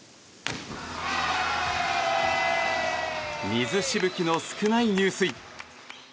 水しぶきの少ない入水！